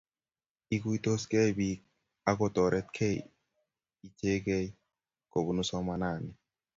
Iguitoskei bik ako toretkei ichegei kobun somanani